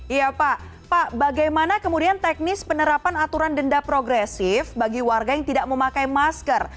iya pak bagaimana kemudian teknis penerapan aturan denda progresif bagi warga yang tidak memakai masker